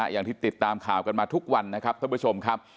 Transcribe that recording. อย่างที่ติดตามข่าวกันมาทุกวันนะครับท่านผู้ชมครับ